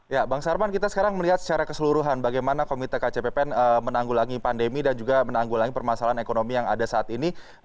ya bang sarman kita sekarang melihat secara keseluruhan bagaimana komite kcpn menanggulangi pandemi dan juga menanggulangi permasalahan ekonomi yang ada saat ini